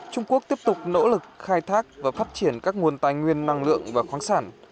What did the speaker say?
trung quốc tiếp tục nỗ lực khai thác và phát triển các nguồn tài nguyên năng lượng và khoáng sản